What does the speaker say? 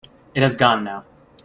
It has gone now.